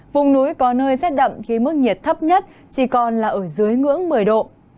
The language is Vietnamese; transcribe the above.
vùng núi có nơi rét đậm khi mức nhiệt thấp nhất chỉ còn là ở dưới ngưỡng một mươi độ